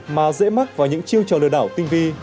mà dễ mắc vào những chiêu trò lừa đảo tinh vi